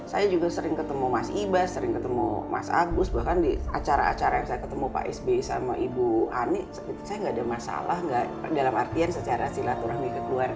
saya juga sering ketemu mas ibas sering ketemu mas agus bahkan di acara acara yang saya ketemu pak sby sama ibu ani saya nggak ada masalah nggak dalam artian secara silaturahmi ke keluarga